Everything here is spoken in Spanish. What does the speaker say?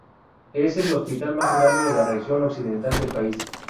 Es el hospital más grande de la región occidental del país.